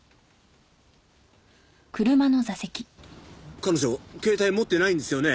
彼女携帯持ってないんですよね？